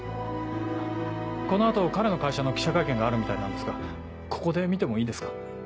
この後彼の会社の記者会見があるみたいなんですがここで見てもいいですか？